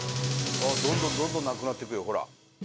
どんどんどんどんなくなっていくよほら。